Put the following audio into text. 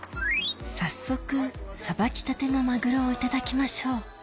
早速さばきたてのマグロをいただきましょう